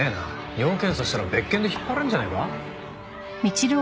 尿検査したら別件で引っ張れるんじゃねえか？